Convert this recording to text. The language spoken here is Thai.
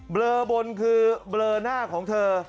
เลอบนคือเบลอหน้าของเธอ